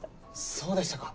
そうでしたか。